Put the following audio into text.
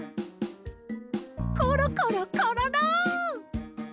コロコロコロロ！